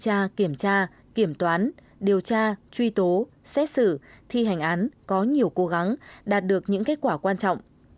cơ quan thanh tra kiểm tra kiểm toán điều tra truy tố xét xử thi hành án có nhiều cố gắng đạt được những kết quả quan trọng